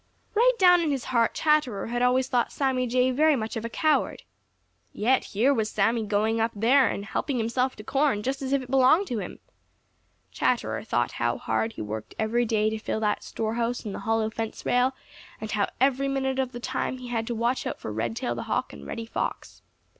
Right down in his heart Chatterer had always thought Sammy Jay very much of a coward. Yet here was Sammy going up there and helping himself to corn, just as if it belonged to him. Chatterer thought how hard he worked every day to fill that store house in the hollow fence rail, and how every minute of the time he had to watch out for Redtail the Hawk and Reddy Fox.